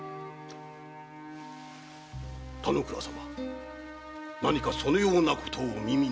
田之倉様何かそのようなことがお耳に？